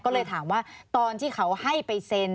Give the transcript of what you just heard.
ก็เลยถามว่าตอนที่เขาให้ไปเซ็น